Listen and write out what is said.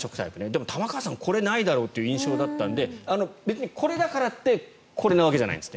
でも玉川さん、これはないだろうという印象だったので別に、これだからってこれなわけじゃないです。